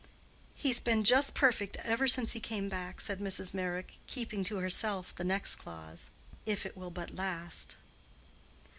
"He's been just perfect ever since he came back," said Mrs. Meyrick, keeping to herself the next clause—"if it will but last."